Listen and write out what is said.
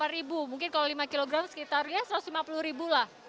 dua puluh delapan ribu mungkin kalau lima kg sekitarnya satu ratus lima puluh ribu lah